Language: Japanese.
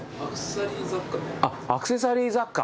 アクセサリー雑貨。